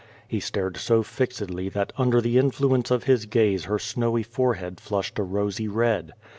He stared so fixedly that under the influence of his gaze her snowy forehead flushed a rosy red.